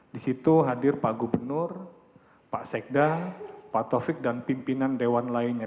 di situ hadir pak gubernur pak sekda pak taufik dan pimpinan dewan lainnya